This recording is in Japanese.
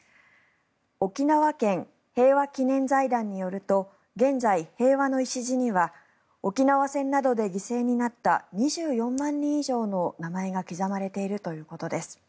沖縄県平和祈念財団によると現在、平和の礎には沖縄戦などで犠牲になった２４万人以上の名前が刻まれているということです。